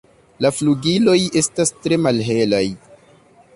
La flugiloj estas tre malhelaj.